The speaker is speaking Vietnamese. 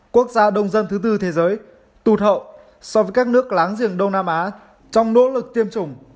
quốc gia đông dân thứ tư thế giới tụt hậu so với các nước láng giềng đông nam á trong nỗ lực tiêm chủng